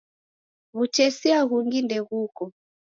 W'utesia ghungi ndeghuko.